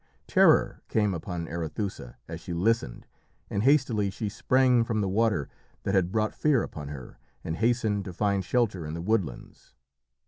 Terror came upon Arethusa as she listened, and hastily she sprang from the water that had brought fear upon her, and hastened to find shelter in the woodlands.